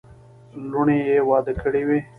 لوڼي یې واده کړې وې.